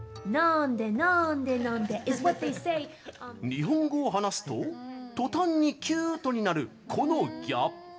日本語を話すと、とたんにキュートになる、このギャップ！